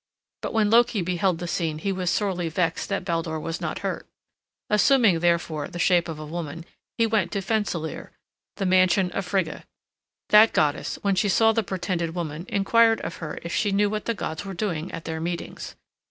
But when Loki beheld the scene he was sorely vexed that Baldur was not hurt. Assuming, therefore, the shape of a woman, he went to Fensalir, the man sion of Frigga. That goddess, when she saw the pretended woman, inquired of her if she knew what the gods were doing at their meetings.